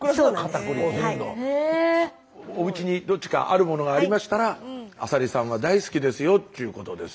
おうちにどっちかあるものがありましたらアサリさんは大好きですよということです。